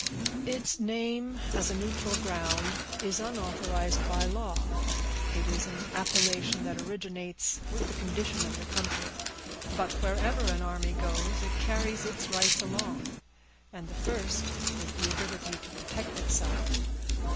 "Its name, as a neutral ground, is unauthorized by law; it is an appellation that originates with the condition of the country. But wherever an army goes, it carries its rights along, and the first is the ability to protect itself."